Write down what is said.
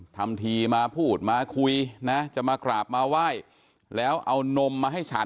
ทำทีมาพูดมาคุยนะจะมากราบมาไหว้แล้วเอานมมาให้ฉัน